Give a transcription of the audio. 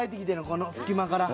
この隙間から。